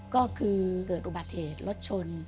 ก็คือเกิดอุบัติเหตุรถชน